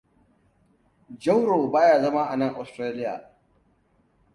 Jauro ba ya zama anan Australia.